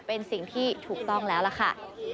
เป็นสิ่งที่ถูกต้องแล้วล่ะค่ะ